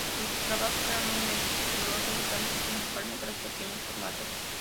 En sus trabajos era muy meticuloso, dedicándose principalmente a los pequeños formatos.